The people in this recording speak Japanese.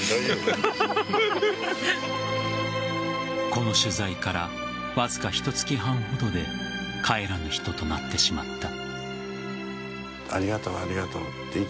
この取材からわずかひと月半ほどで帰らぬ人となってしまった。